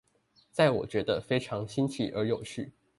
在我覺得非常新奇而有趣